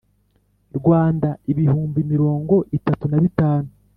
Rwanda ibihumbi mirongo itatu na bitanu